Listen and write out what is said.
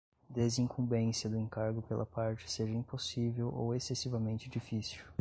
desincumbência do encargo pela parte seja impossível ou excessivamente difícil